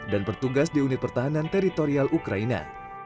dan bertugas di unit pertahanan teritorial ukraina